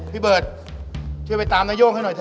พี่เบิร์ดเชื่อไปตามนายโย่งให้หน่อยเถอะ